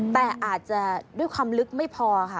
แต่อาจจะด้วยความลึกไม่พอค่ะ